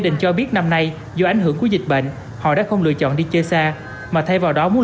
định cho biết năm nay do ảnh hưởng của dịch bệnh họ đã không lựa chọn đi chơi xa mà thay vào đó muốn